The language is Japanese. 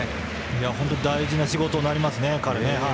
本当に彼大事な仕事になりますね。